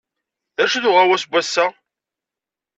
D acu-t uɣawas n wass-a?